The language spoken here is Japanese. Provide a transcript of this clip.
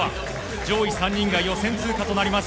上位３人が予選通過となります。